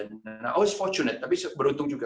saya selalu beruntung tapi beruntung juga